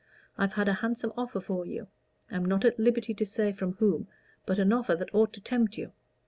I've had a handsome offer for you I'm not at liberty to say from whom but an offer that ought to tempt you."